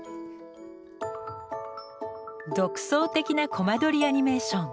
独創的なコマ撮りアニメーション。